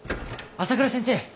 朝倉先生！